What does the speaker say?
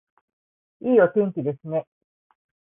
いいお天気ですね